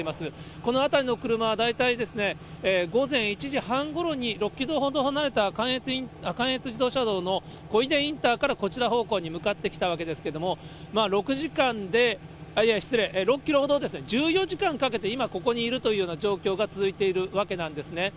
この辺りの車は大体ですね、午前１時半ごろに６キロほど離れた関越自動車道のこいでインターからこちら方向に向かってきたわけですけれども、６時間で、いやいや、失礼、６キロほどですね、１４時間かけて、今、ここにいるという状況が続いているというわけなんですね。